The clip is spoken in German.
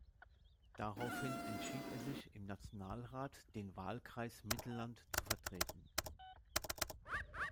Daraufhin entschied er sich, im Nationalrat den Wahlkreis Mittelland zu vertreten.